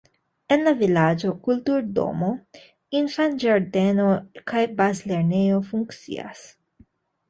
En la vilaĝo kulturdomo, infanĝardeno kaj bazlernejo funkcias.